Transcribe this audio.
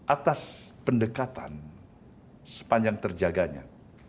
atas pendekatan sepanjang terjaganya